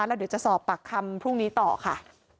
แล้วเดี๋ยวจะสอบปากคำพรุ่งนี้ต่อค่ะ